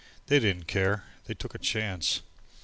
They didn't care! They took a chance.